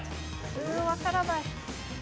ううわからない。